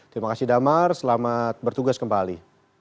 terima kasih damar selamat bertugas kembali